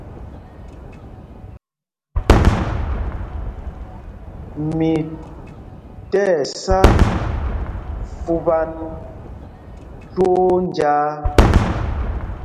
Mi tí ɛsá fupan twóó njāā.